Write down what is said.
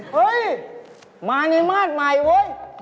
เฮ้ยมาในมาตรใหม่เว้ย